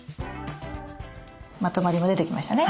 まとまりも出てきましたね。